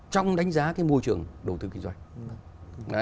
trong đánh giá cái môi trường đầu tư kinh doanh